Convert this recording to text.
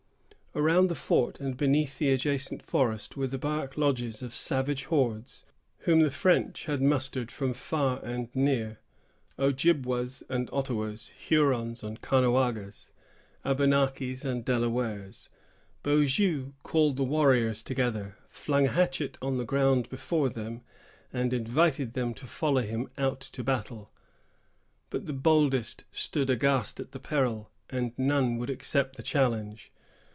Around the fort and beneath the adjacent forest were the bark lodges of savage hordes, whom the French had mustered from far and near; Ojibwas and Ottawas, Hurons and Caughnawagas, Abenakis and Delawares. Beaujeu called the warriors together, flung a hatchet on the ground before them, and invited them to follow him out to battle; but the boldest stood aghast at the peril, and none would accept the challenge.